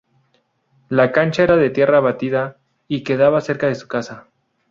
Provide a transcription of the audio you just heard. La cancha era de tierra batida y quedaba cerca de su casa.